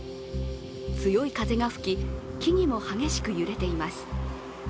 強い風が吹き、木々も激しく揺れています。